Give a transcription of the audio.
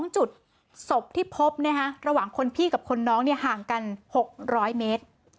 ๒จุดศพที่พบระหว่างคนพี่กับคนน้องห่างกัน๖๐๐เมตร